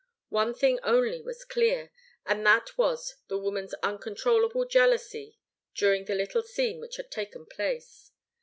One thing only was clear, and that was the woman's uncontrollable jealousy during the little scene which had taken place.